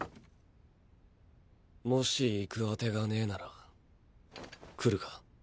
もし行く宛が無ェなら来るか？